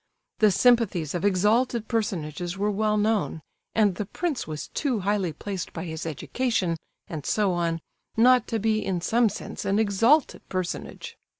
The sympathies of exalted personages were well known, and the prince was too highly placed by his education, and so on, not to be in some sense an exalted personage!